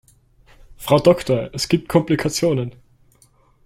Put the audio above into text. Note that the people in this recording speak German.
Frau Doktor, es gibt Komplikationen.